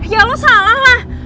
ya lu salah lah